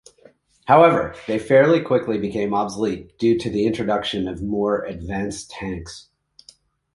However, they fairly quickly became obsolete due to the introduction of more advanced tanks.